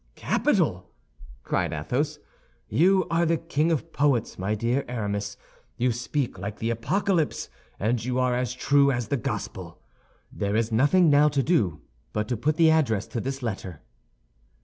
"Capital!" cried Athos; "you are the king of poets, my dear Aramis. You speak like the Apocalypse, and you are as true as the Gospel. There is nothing now to do but to put the address to this letter."